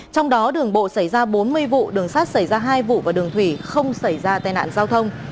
trong đó đường bộ xảy ra bốn mươi vụ đường sắt xảy ra hai vụ và đường thủy không xảy ra tai nạn giao thông